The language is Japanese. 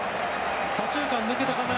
左中間を抜けたかな？